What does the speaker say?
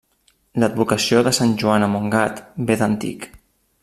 L'advocació de sant Joan a Montgat ve d'antic.